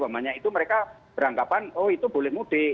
itu mereka beranggapan oh itu boleh mudik